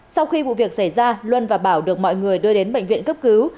sau khi vụ việc xảy ra luân và bảo được mọi người đưa đến bệnh viện cấp cứu